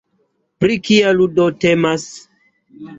Pri kia ludo temas?